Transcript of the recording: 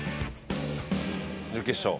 準決勝。